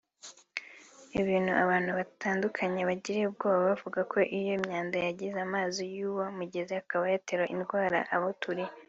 Ibintu abantu batandukanye bagiriye ubwoba bavuga ko iyo myanda yangiza amazi y’uwo mugenzi akaba yatera indwara abawuturiye